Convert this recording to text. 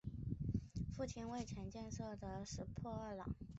父亲为前建设事务次官及鸟取县知事石破二朗。